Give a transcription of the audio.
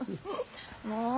もう！